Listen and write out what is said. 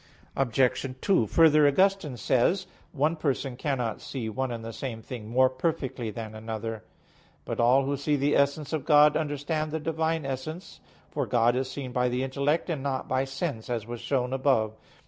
Obj. 2: Further, Augustine says (Octog. Tri. Quaest. qu. xxxii): "One person cannot see one and the same thing more perfectly than another." But all who see the essence of God, understand the Divine essence, for God is seen by the intellect and not by sense, as was shown above (A.